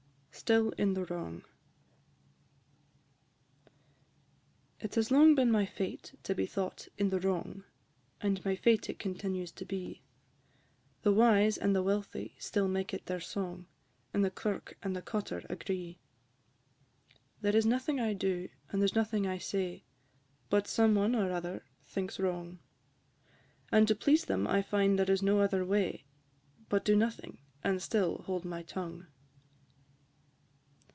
STILL IN THE WRONG. I. It has long been my fate to be thought in the wrong, And my fate it continues to be; The wise and the wealthy still make it their song, And the clerk and the cottar agree. There is nothing I do, and there 's nothing I say, But some one or other thinks wrong; And to please them I find there is no other way, But do nothing, and still hold my tongue.